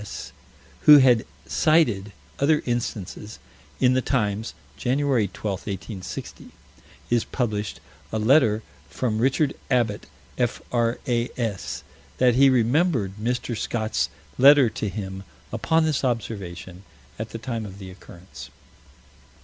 S., who had cited other instances. In the Times, Jan. 12, 1860, is published a letter from Richard Abbott, F.R.A.S.: that he remembered Mr. Scott's letter to him upon this observation, at the time of the occurrence.